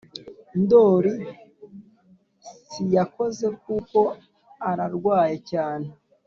Ndoli siyakoze kuko ararwaye cyane